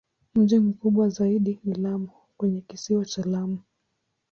Mji mkubwa zaidi ni Lamu kwenye Kisiwa cha Lamu.